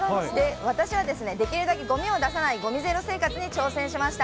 私は、できるだけごみを出さないごみゼロ生活に挑戦しました。